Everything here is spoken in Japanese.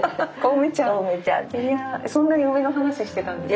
いやあそんなに梅の話してたんですか？